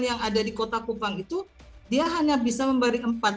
yang ada di kota kupang itu dia hanya bisa memberi empat